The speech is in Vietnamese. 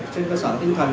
trên cơ sở tinh thần